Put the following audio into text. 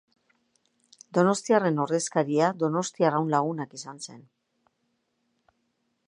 Donostiarren ordezkaria Donostia Arraun Lagunak izan zen.